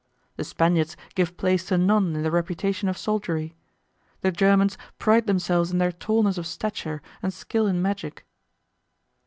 The Spaniards give place to none in the reputation of soldiery. The Germans pride themselves in their tallness of stature and skill in magic.